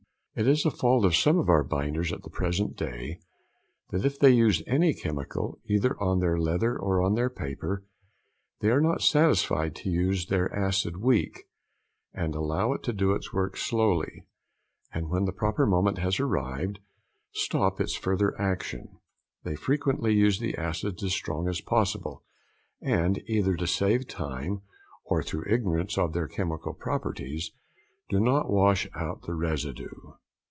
It is a fault of some of our binders at the present day, that if they use any chemical, either on their leather or on their paper, they are not satisfied to use their acid weak, and allow it to do its work slowly, and when the proper moment has arrived stop its further action, they frequently use the acids as strong as possible, and, either to save time or through ignorance of their chemical properties, do not wash out the residue.